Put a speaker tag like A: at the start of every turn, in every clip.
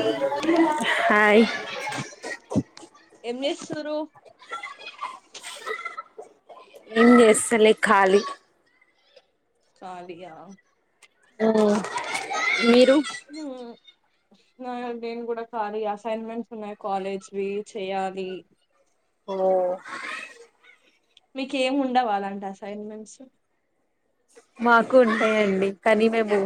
A: ఏం
B: హాయ్
A: ఏమ్ చేస్తురు
B: ఏం చేస్తలే ఖాళీ
A: ఖాళీయా
B: ఓ మీ హలో
A: నేను కూడా కాలి అసైన్మెంట్స్ ఉన్నాయి కాలేజ్ వి చేయాలి
B: ఓ
A: మీకు ఏం ఉండవా అలాంటి అసైన్మెంట్స్
B: మాకు ఉంటాయండి కానీ మేము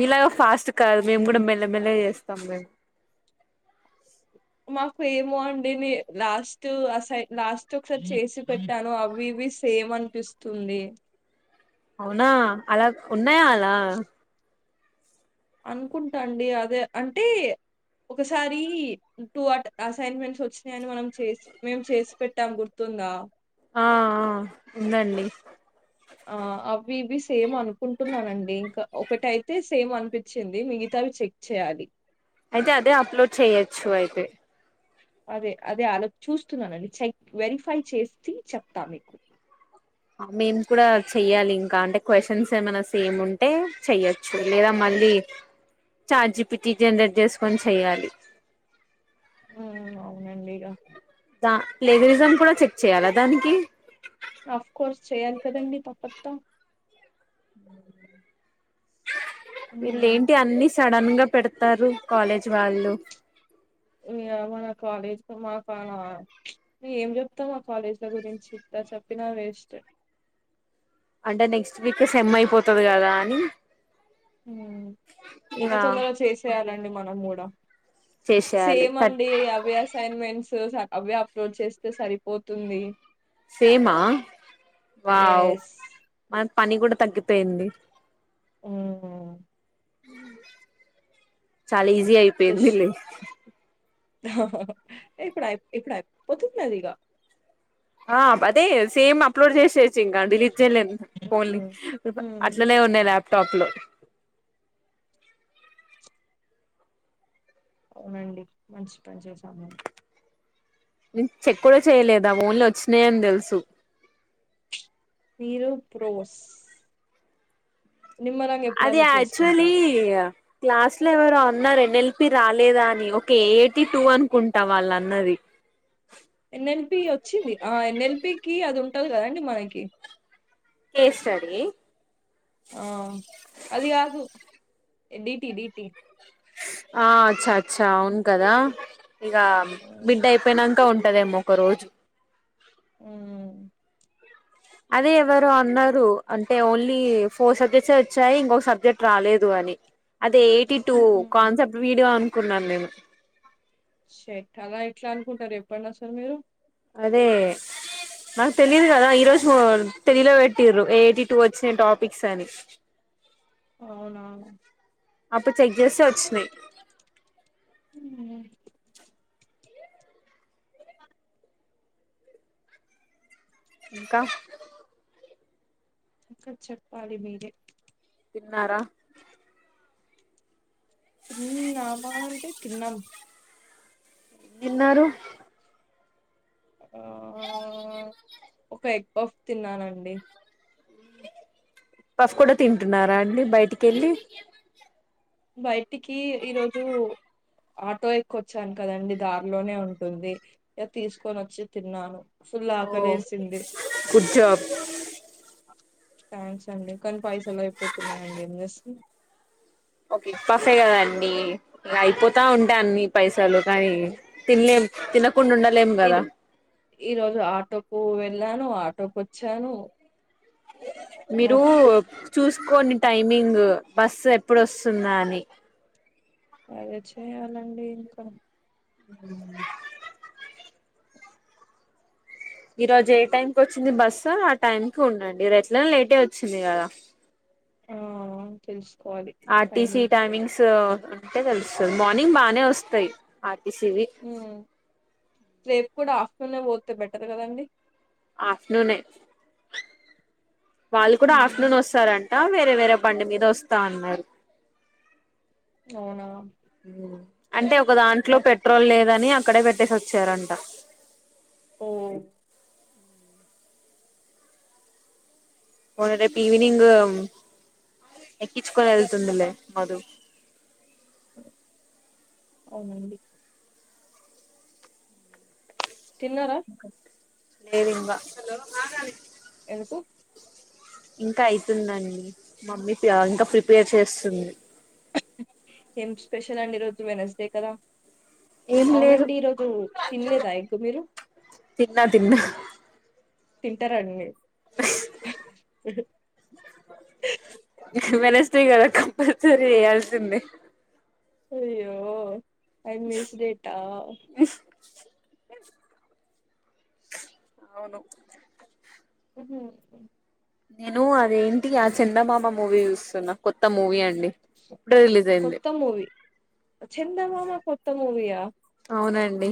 B: మిలా గా ఫాస్ట్ కాదు మేము కూడా మెల్లమెల్లగా చేస్తాం మేము
A: మాకు ఏమో అండి నీ నా లాస్ట్ అసై లాస్ట్ ఒకసారి చేసి పెట్టాను అవి ఇవి సేమ్ అనిపిస్తుంది
B: అవునా అలా ఉన్నాయా అలా
A: అనుకుంటాండి అదే అంటే ఒకసారి టూ అసైన్మెంట్స్ వచ్చినాయని మనంసి మేము చేసి పెట్టాం గుర్తుందా
B: ఆ ఉందండి
A: ఆ అవి ఇవి సేమ్ అనుకుంటున్నానండి ఇంకా ఒకటైతే సేమ్ అనిపించింది మిగతా అవి చెక్ చేయాలి
B: అయితే అదే అప్లోడ్ చేయొచ్చు అయితే
A: అదే అదే అలా చూస్తున్నానండి చెక్ వెరిఫై చేస్త చెప్తాను మీకు
B: మేము కూడా చెయ్యాలి ఇంకా అంటే క్వ్చన్స్ ఏమైనా సేమ్ ఉంటే చెయ్యచ్చు చూడలేదా మళ్ళీ చార్జి పిటి జనరేట్ చేసుకొని చెయ్యాలి
A: ఉ అవునండి ఇక
B: దా ప్లేగరిజం కూడా చెక్ చేయాలా దానికి
A: ఆఫ్ కోర్స్ చేయాలి కదండి తప్పగా
B: అ ఇల్
A: హ్మ్.
B: ఏంటి అన్ని స నన్గా పెడతారు కాలేజ్ వాళ్ళు
A: మన కాలేజ్ మాకు ఏం చెప్తా మా కాలేజీ గురించి చెప్పినా వేస్ట్
B: అంటే నెక్స్ట్ వీక్ సమ్ అయిపోతుది కదా అని ఇగ
A: ఏ తొందరగా చేసేయాలండి మనం కూడా
B: చేసేయాలి
A: సేమ్
B: థర్డ్
A: అండి అవి అసైన్మెంట్స్ అవి అప్లోడ్ చేస్తే సరిపోతుంది
B: సేమా వావ్
A: యెస్.
B: మ పని కూడా తగ్గిపోయింది
A: ఓ
B: చాల అయిపోయింది
A: ఇప్పుడుయి ఇప్పుడయి పొద్తుతున్నదిగ
B: ఆ అదే సేమ్ అప్లోడ్ చేస్తే ఇంకా డిలీట్ చేయలేదు ఫోన్
A: హ్మ్. హ్మ్.
B: అట్లనే ఉన్నాయి ్యాప్ తప్పులు
A: అవునండి మంచి పని చేసాము మేము
B: చెక్ కూడా చేయలేదా ఓన్లు వచ్చినాయని తెలుసు
A: మీరు బోస్ నిమ్మరాంగా
B: అది
A: ఎప్పుడన్నా
B: యాక్చువల్లీ
A: చేసుకుంటారు
B: క్లాస్ లో ఎవరు అన్నారు ఎన్ఎల్పి రాలేదా అని ఒక ఏటి టూ అనుకుంటా వాళ్ళు అన్నది
A: ఎన్ఎల్పి వచ్చింది ఆ ఎన్ఎల్పికిి అది గా రెం మనకి
B: కేసడి
A: ఆ అది దు డీటి డీటి
B: ఆ అచ్చా అచ్చా అవును కదా ఇక
A: హ్మ్.
B: బిడ్ అయిపోయినాంక ఉంట ఉంటదేమో ఒక రోజు
A: ఉ
B: అదే ఎవరు అన్నారు అంటే ఓన్లీ ఫోర్ సబ్జెక్ట్స్ వచ్చాయి ఇంకొక సబ్జెక్ట్ రాలేదు అని అదే ఎయిటి టూ
A: హ్మ్.
B: కాన్సెప్ట్ వీడియోను కున్నాను నేను
A: షెట్ అలా ఇట్లా అనుకుంటారు ఎప్పుడనా సార్ మీరు
B: అదే నాకు తెలియదు కదా ఈ రోజు తెదిలో పెట్టిర్రు ఎయిటి టూ వచ్చిన టాపిక్స్ అని
A: అవునా!
B: అప్పుడు చెక్ చేస్తే వచ్చినాయి
A: హ్మ్
B: కా
A: ఇంకా చెప్పాలి మీరే
B: తిన్నారా
A: తిన్నామా అంటే తిన్నం
B: దిన్నారు
A: ఆ ఒక ఎగ్ బఫ్ తిన్నానండి
B: పస్ కూడా తింటున్నారా అండి బయటికి వెళ్ళి
A: బయటికి ఈ ఈరోజు ఆటో ఎక్కొచ్చాను కదండి దారిలోనే ఉంటుంది ఇ తీసుకొని వచ్చి తిన్నాను ఫుల్
B: ఓ
A: ఆకలేసింది
B: గుడ్ జాబ్
A: థ్యాంక్స్ అండి కానీ పైసలు అయిపోతున్నాయండి ఏం చేస్తంది
B: ఇప్పసే కదండీ ఇ అయిపోతా ఉంటాయి అన్ని పైసలు కానీ తినలేం తినకుండా ఉండలేం కదా
A: ఈరో ఈ రోజు ఆటోకు వెళ్ళాను ఆటోకు వచ్చాను మా
B: మీరు చూసుకోండి టైమింగ్ బస్సు ఎప్పుడోస్తుందా అని
A: అదే చేయాలండి ఇంకా
B: మ్మ్ ఈ రోజు ఏ టైమ్ కి వచ్చింది బస్సు ఆ టైం కి ఉండండి రె ఎట్లనే లేటే వచ్చింది కదా
A: ఆ
B: ఆర్ టి సి టైమింగ్స్ అంటే తెలుస్తది మార్నింగ్ బానే వస్తాయి ఆ టి సి వి
A: మ్మ్ రేపు కూడా ఆఫ్టూనే పోతే బెటర్ కదండి
B: ఆఫ్టర్నూన్ ఏ వాళ్ళు కూడా ఆఫ్టర్నూన్
A: ఉమ్.
B: వస్తారన్ త వేరే వేరే పండు మీద వస్తా అన్నారు
A: అవునా
B: మ్మ్ అంటే ఒక దాంట్లో
A: నాకే
B: పెట్రోల్ లేదని అప్ అక్కడే పెట్టేసి వచ్చారంట
A: హ్మ్
B: మరి రేపు ఈవెనింగు ఎక్కించ్ క్కోని వెళ్తుందిలే మధు
A: అవునండి తిన్నారా
B: లేదు ఇంగా
A: ఎందుకు
B: ఇంకా అయితుందండి మమ్మీ ఇంకా ప్రిపేర్ చేస్తుంది
A: ఏం స్పెషల్ అండి ఈరోజు వెనస్డే కదా
B: ఏం లేదు
A: అవునండి ఈరోజు తినలేదా ఎగ్ మీరు
B: తిన్నా తిన్నా
A: తింటారండి మీరు ఎటు హూ
B: వెడ్నెస్డే కదా కంపల్సరీ ఏయాల్సిందే
A: అయ్యో వెడ్నెస్ డేటా
B: అవును
A: ఉహు
B: నేను అదేంటి ఆ చందమామ మూవీ చూస్తున్నా కొత్త మూవీ అన్
A: కొత్త మూవి వచ్చింది ఇంతలోనే కొత్త మూవీ యా
B: అవునండి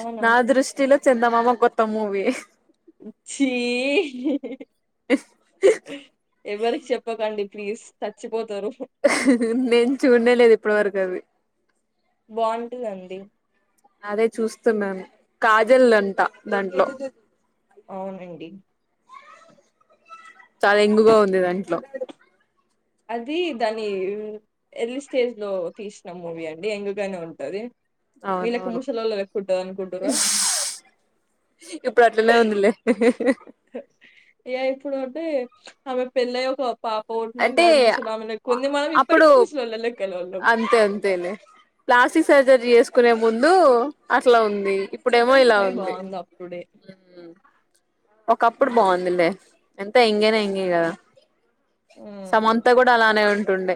A: అవునా
B: నా దృష్టిలో చందమామ కొత్త మూవీయే
A: చి ఎవరికి చెప్పకండి ప్లీజ్ చచ్చిపోతారు
B: నేను చూడనేలేదు ఇప్పటి వరకు అది
A: బాంటుందండి
B: అదే చూస్తున్నాను కాజల్ అంటా దాంట్లో
A: అవునండి
B: చాలా ఎంగుగా ఉంది దాంట్లో
A: అది దాని ఎర్లీ స్టేజ్ లో తీసిన మూవీ అండి యంగ్ గానే ఉంటది వీళ్ళకి
B: అవునవును
A: ముసలోళ్ళ లెక్క ఉంటది అనుకుంటుర్రా
B: ఇప్పుడు అట్లనే ఉందిలే
A: ఏ ఇప్పుడు అంటే అమె పెళ్లయి ఒక పాప
B: అంటే
A: పుట్టినంక ముసలామె లెక్క ఉంది మనం
B: అప్పుడు
A: ఇప్పటికీ ముసలోళ్ళ లెక్కనే ఉన్నం
B: అంతే అంతేలే ప్లాస్టిక్ సర్జరీ చేసు కునే ముందు అట్లా ఉంది ఇప్పుడేమో ఇలా
A: కానీ
B: ఉంది
A: బాగుంది అప్పుడే
B: ఒకప్పుడు బాగుందిలే ఎంత ఎంగేనా ఎంగే కదా
A: మ్మ్ మ్మ్
B: సమంతా కూడా అలానే ఉంటుండ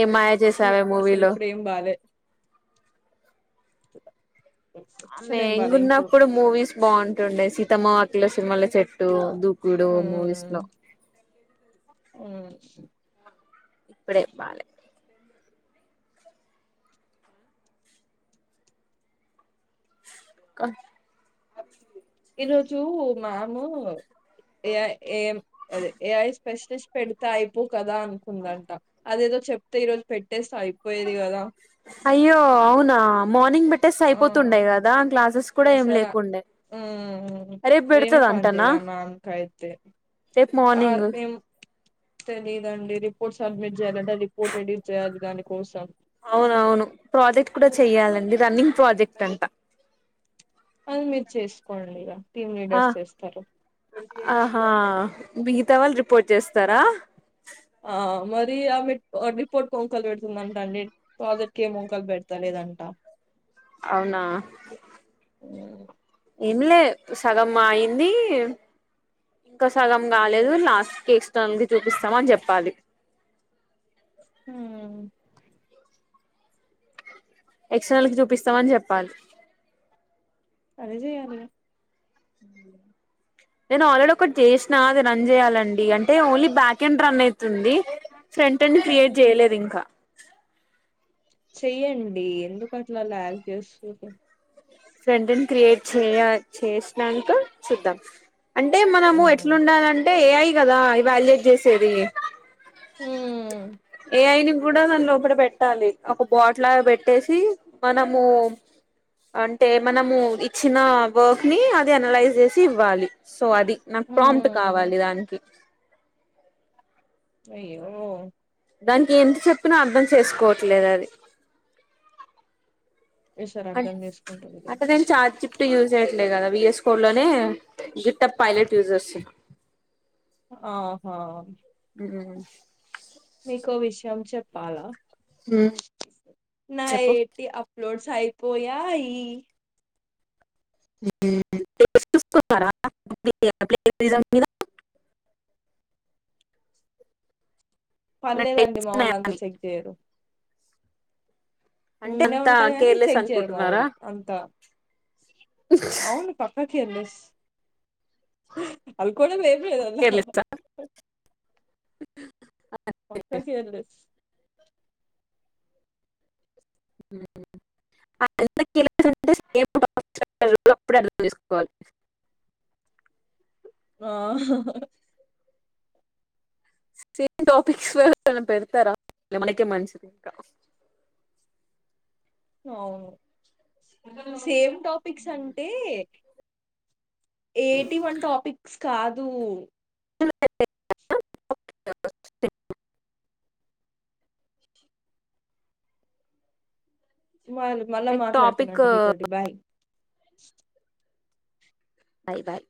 B: ఏ మాయ
A: ఛీ
B: చేసావే
A: అసలు
B: మూవీలో
A: ఇప్పుడు ఏం బాలే అసలు ఏం
B: మేంగ్
A: బాలే ఇప్పుడు
B: ఉన్నప్పుడు మూవీస్ బాగుంటుండే సీతమ్మ వా లోసినిమాలు చెట్టు దూకుడు మూవీస్
A: మ్మ్
B: లో
A: మ్మ్
B: ఇప్పుడే చెప్పాలి క
A: ఈరోజు మాము ఏఐ ఏయం అదే ఏఐ స్పెషలిస్ట్ పెడితే అయిపో కదా అనుకుందంట అదేదో చెప్తే ఈ రోజు పెట్టేస్తే అయి
B: అయ్యో అవునా మార్నింగ్ బట్
A: ఆ
B: ఏం
A: అసల
B: లేకుండే
A: ఆ ఆ
B: రేపు
A: వేరే పని
B: పెడతదంటనా
A: చేదాం మ్యామ్కైతే
B: రేపు
A: ఆ
B: మార్నింగ్
A: ఏం తెలీదండి రి పోర్ట్ సబ్మిట్ చేయాలంటే ఆ రిపోర్ట్ ఎడిట్ చేయాలి దాని కోసం
B: అవునవును ప్రాజెక్ట్ కూడా చెయ్యాలండి రన్నింగ్ ప్రాజెక్ట్ అంట
A: అది మీరు చేస్కోండిగా
B: ఆ ఆహా మిగతా వాళ్ళు రిపోర్ట్ చేస్తారా
A: అది మరి ఆ రిపోర్ట్ వంకలు పెడుతుందంట అండి పాజిట్ ఏమో వంకలు పెడతా లేదంట
B: అవునా
A: మ్మ్
B: ఏమి లే సగం అయింది ఇంకా సగం కాలేదు లాస్ట్ కి [unintelligible] చూపిస్తాం అని చెప్పాలి
A: మ్మ్
B: ఎక్స్టర్నల్ కి చూపిస్తామని చెప్పాలి
A: అదే చెయ్యాలి ఇగ
B: నేను ఆల్రెడీ ఒక్ కటి చేసినా అది రన్ చేయాలన్ అడి అంటే ఓన్లీ బ్యాకెండ్ రన్ అయి తుంది సెంటెన్స్ క్రియేట్
A: హ్మ్
B: చేయలేదు ఇంకా
A: చెయ్యండి ఎందుకు అట్లా ల్యాగ్ చేస్సురు
B: ఫ్రంట్ ఎండ్ క్రియేట్ చేయ చేసినంకా చూద్దాం అంటే మనము
A: హ్మ్
B: ఎట్లుండాలంటే ఏ ఐ కదా ఎవల్యూట్ చేసేది
A: హ్మ్
B: ఎ ఐ నీ కూడా దాని లోపట పెట్టాలి ఒక బాట్లా పెట్టేసి మనము అంటే మనము ఇచ్చిన వర్క్ ని అది అనలైజ్ చేసి ఇవ్వాలి సో అది నాకు ప్రాంమ్ట్
A: హ్మ్
B: కావాలి దానికి
A: అయ్యో
B: దానికి ఎంత చెప్పినా అర్ధం చేసుకోవట్లేదు అది
A: ఈసారి
B: అం
A: అర్థం చేసుకుంటదిలే
B: అంటే నేను చాట్ జిపిటి యూజ్ చేయట్లేదు కదా విఎస్ కోడ్ లోనే గిత్త పైలట యూస్ చేస్తున్న
A: ఆహా
B: హూమ్
A: మీకో విషయం చెప్పాలా
B: చెప్పు
A: నైటీ అప్ లోడ్స్ అయిపోయాయి
B: [inaudible]
A: పర్లేదండి
B: టెస్ట్
A: మా వాళ్ళ
B: ఉన్నాయా
A: అంతా
B: అని
A: చెక్ చేయరు
B: అంటే
A: ఉండే
B: అంత
A: ఉంటాయి కానీ
B: కేర్లెస్
A: చెక్ చేయరు మా
B: అనుకుంటున్నారా
A: వాళ్ళు అంతా అవును పక్క [unintelligible]
B: [inaudible]
A: పక్క కేర్ లెస్
B: [inaudible]
A: ఆహా
B: సేమ్ టాపిక్స్ పెడతారా మనకే మంచిది ఇంకా
A: అవును సేమ్ టాపిక్స్ అంటే ఏటీ వన్ టాపిక్స్ కాదు
B: [inaudible]
A: మళ్ మళ్ళా
B: లైక్ టాపిక్
A: మాట్లాడతానండి మీతోటి బాయ్ [inaudible]
B: బాయ్ బాయ్